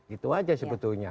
itu aja sebetulnya